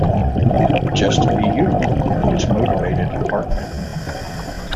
Just be you which motivated Hartman.